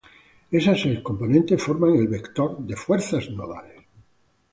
Esas seis componentes forman el vector de fuerzas nodales.